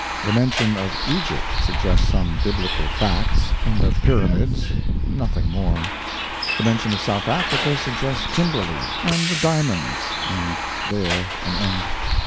The mention of Egypt suggests some Biblical facts and the Pyramids nothing more. The mention of South Africa suggests Kimberly and the diamonds and there an end.